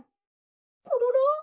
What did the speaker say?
「コロロ！